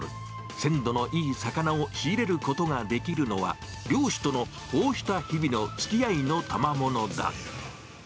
鮮度のいい魚を仕入れることができるのは、漁師とのこうした日々のつきあいのたまものだ。